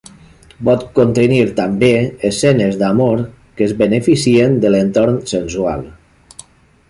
Pot contenir també escenes d'amor que es beneficien de l'entorn sensual.